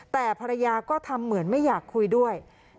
แต่ภรรยาก็ทำเหมือนไม่อยากคุยด้วย